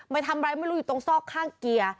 ไปทำอะไรไม่รู้อยู่ตรงซอกข้างเกียร์